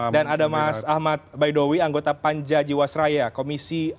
dan ada mas ahmad baidowi anggota panja jiwaseraya komisi enam